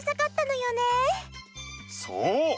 そう。